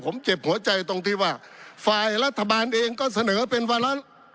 ผมเจ็บหัวใจตรงที่ว่าฝ่ายรัฐบาลเองก็เสนอเป็นวาระ